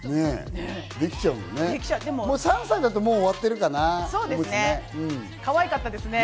３歳だともう終わってるかな、かわいかったですね。